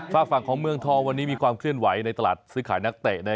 ฝากฝั่งของเมืองทองวันนี้มีความเคลื่อนไหวในตลาดซื้อขายนักเตะ